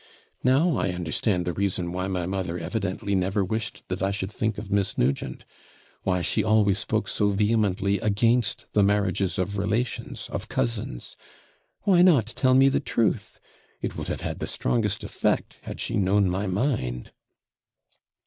Now I understand the reason why my mother evidently never wished that I should think of Miss Nugent why she always spoke so vehemently against the marriages of relations, of cousins. Why not tell me the truth? It would have had the strongest effect, had she known my mind.'